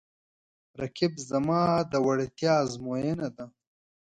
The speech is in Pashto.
رقیب زما د وړتیا ازموینه ده